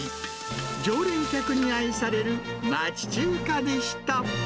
常連客に愛される町中華でした。